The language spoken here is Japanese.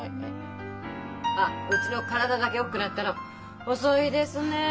あっうちの体だけ大きくなったの遅いですねえ。